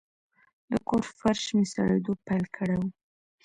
د کور فرش مې سړېدو پیل کړی و.